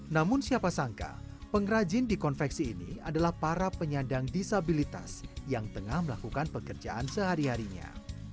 namun siapa sangka pengrajin di konveksi ini adalah para penyandang disabilitas yang tengah melakukan pekerjaan sehari harinya